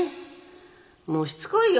もうしつこいよ。